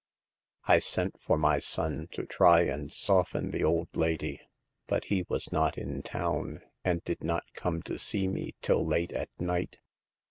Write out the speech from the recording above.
I sent for my son to try and soften the old lady, but he was not in town, and did not come to see me till late at night.